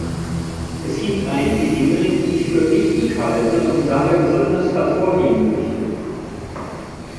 Es gibt einige Dinge, die ich für wichtig halte und daher besonders hervorheben möchte.